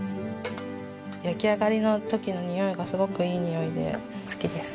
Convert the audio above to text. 焼き上がりの時のにおいがすごくいいにおいで好きです。